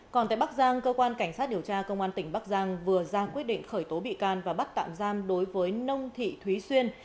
còn tại bắc giang cơ quan cảnh sát điều tra công an tỉnh bắc giang vừa ra quyết định khởi tố bị can và bắt tạm giam đối với nông thị thúy xuyên